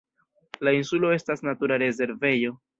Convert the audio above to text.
La insulo estas natura rezervejo.